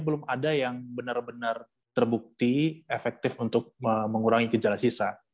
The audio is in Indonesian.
belum ada yang benar benar terbukti efektif untuk mengurangi gejala sisa